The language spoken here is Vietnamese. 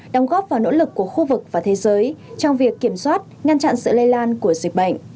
đóng góp vào nỗ lực của khu vực và thế giới trong việc kiểm soát ngăn chặn sự lây lan của dịch bệnh